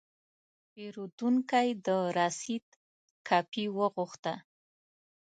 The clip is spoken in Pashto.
پیرودونکی د رسید کاپي وغوښته.